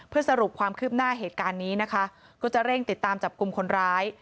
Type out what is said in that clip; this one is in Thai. เพื่อสรุปความคืบหน้าเหตุการณ์นี้นะคะก็จะเร่งติดตามจับกลุ่มคนร้าย